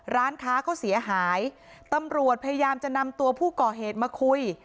ร้านค้าเขาเสียหายตำรวจพยายามจะนำตัวผู้ก่อเหตุมาคุย